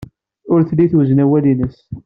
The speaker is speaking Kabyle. Ur telli twezzen awal-nnes.